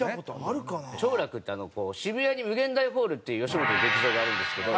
兆楽って渋谷に∞ホールっていう吉本の劇場があるんですけど。